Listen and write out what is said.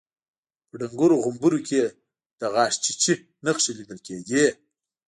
په ډنګرو غومبرو کې يې د غاښچيچي نښې ليدل کېدې.